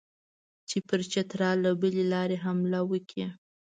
چې پر چترال له بلې لارې حمله وکړي.